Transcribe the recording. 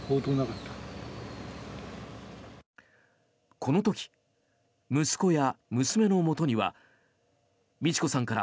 この時、息子や娘のもとには路子さんから